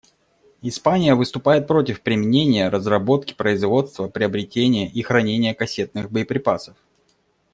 Испания выступает против применения, разработки, производства, приобретения и хранения кассетных боеприпасов.